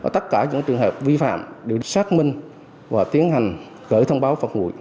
tất cả những trường hợp vi phạm được xác minh và tiến hành gửi thông báo phật ngụy